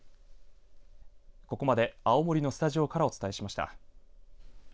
ここまで青森のスタジオからお伝えしました。